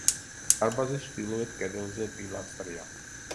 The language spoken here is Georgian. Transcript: დარბაზის ჩრდილოეთ კედელზე პილასტრია.